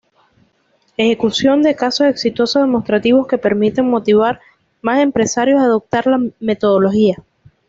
Ejecución de casos exitosos demostrativos que permitan motivar más empresarios a adoptar la metodología.